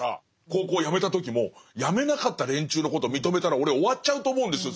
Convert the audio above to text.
高校をやめた時もやめなかった連中のことを認めたら俺終わっちゃうと思うんですよ